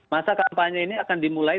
masa kampanye ini akan dimulai